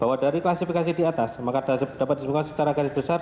bahwa dari klasifikasi di atas maka dapat ditemukan secara garis besar